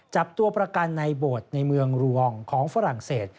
จับตัวประกันในโบสถ์ในเมืองรวงของฝรั่งเศส